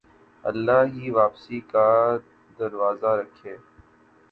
اللہ ہی واپسی کا دروازہ رکھے